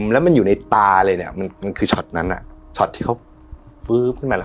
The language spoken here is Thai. แล้วมันอยู่ในตาเลยเนี้ยมันคือช็อตนั้นอ่ะช็อตที่เขาขึ้นมา